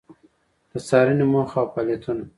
د څارنې موخه او فعالیتونه: